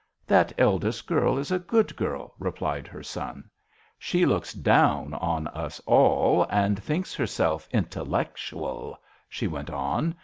"That eldest girl is a good girl," replied her son. " She looks down on us all, and thinks herself intellectual," she went on.